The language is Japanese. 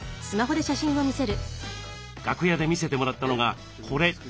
楽屋で見せてもらったのがこれ。